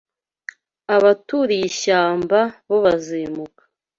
abaturiye ishyamba bo bazimuka